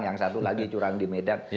yang satu lagi curang di medan